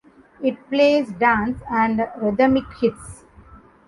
It plays Dance and Rhythmic Hits.